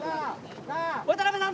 渡邊さん